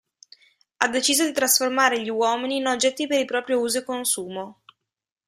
Ha deciso di trasformare gli uomini in oggetti per il proprio uso e consumo.